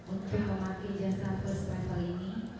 untuk memakai jasa first travel ini